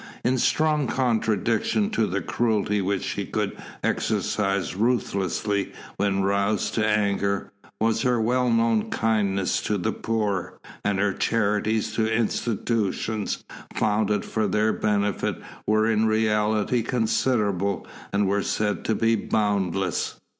In strong contradiction to the cruelty which she could exercise ruthlessly when roused to anger, was her well known kindness to the poor, and her charities to institutions founded for their benefit were in reality considerable, and were said to be boundless.